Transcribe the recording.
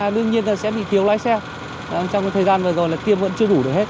đương nhiên là sẽ bị thiếu lái xe trong thời gian vừa rồi là kiêm vẫn chưa đủ được hết